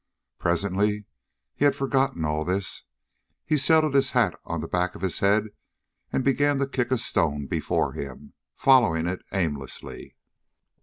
Presently he had forgotten all this. He settled his hat on the back of his head and began to kick a stone before him, following it aimlessly.